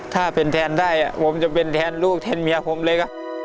ถ้าเป็นแทนได้ผมจะเป็นแทนลูกแทนเมียผมเลย